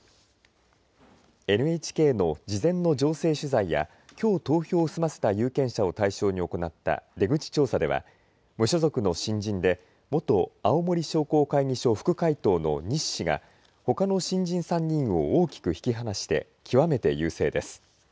ＮＨＫの事前の情勢取材やきょう投票を済ませた有権者を対象に行った出口調査では無所属の新人で元青森商工会議所副会頭の西氏がほかの新人３人を大きく引き離して極めて優勢です。